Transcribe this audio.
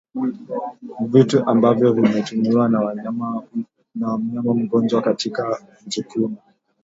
Vitu ambavyo vimetumiwa na mnyama mgonjwa katika kujikuna